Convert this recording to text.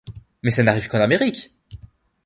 Mais ça n’arrive qu’en Amérique !